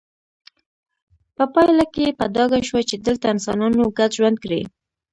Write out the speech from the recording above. په پایله کې په ډاګه شوه چې دلته انسانانو ګډ ژوند کړی